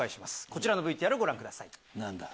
こちらのＶＴＲご覧ください。